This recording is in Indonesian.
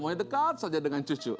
maunya dekat saja dengan cucu